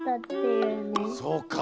そうか。